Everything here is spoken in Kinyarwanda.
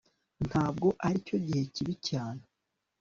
ntabwo aricyo gice kibi cyane